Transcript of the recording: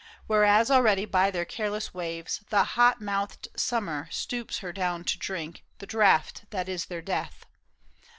Whereas already by their careless waves The hot mouthed Summer stoops her down to drink The draught that is their death.